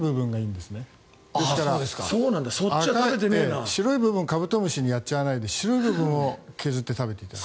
ですから、白い部分をカブトムシにやっちゃわないで白い部分を削って食べていただく。